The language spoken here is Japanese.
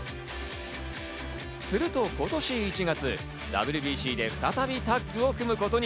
すると今年１月、ＷＢＣで再びタッグを組むことに。